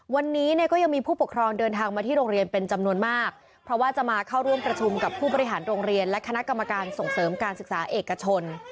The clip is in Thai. วันนี้เนี่ยก็ยังมีผู้ปกครองเดินทางมาที่โรงเรียนเป็นจำนวนมากเพราะว่าจะมาเข้าร่วมประชุมกับผู้บริหารโรงเรียนและคณะกรรมการส่งเสริมการศึกษาเอกชน